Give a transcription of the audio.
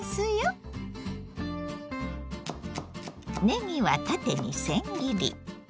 ねぎは縦にせん切り。